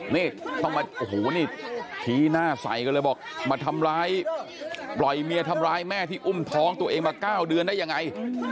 นี่ต้องมาโอ้โหนี่ชี้หน้าใส่กันเลยบอกมาทำร้ายปล่อยเมียทำร้ายแม่ที่อุ้มท้องตัวเองมา๙เดือนได้ยังไง